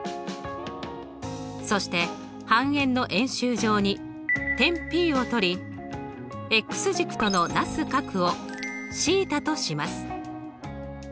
そして半円の円周上に点Ｐを取り軸とのなす角をθとします。